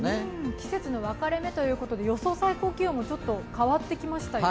季節の分かれ目ということで、予想最高気温もちょっと変わってきましたよ。